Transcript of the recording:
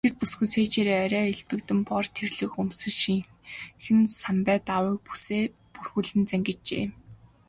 Тэр бүсгүй цээжээрээ арай элбэгдсэн бор тэрлэг өмсөж, шинэхэн самбай даавууг үсээ бүрхүүлэн зангиджээ.